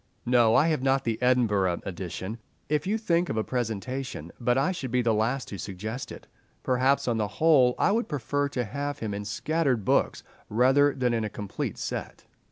No, I have not the Edinburgh edition. If you think of a presentation—but I should be the last to suggest it. Perhaps on the whole I would prefer to have him in scattered books, rather than in a complete set.